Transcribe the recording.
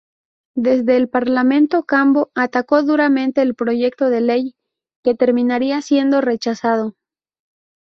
Desde el parlamento Cambó atacó duramente el proyecto de Ley, que terminaría siendo rechazado.